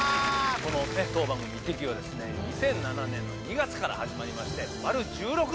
このね当番組『イッテＱ！』はですね２００７年の２月から始まりまして丸１６年という。